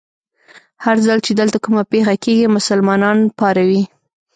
هر ځل چې دلته کومه پېښه کېږي، مسلمانان پاروي.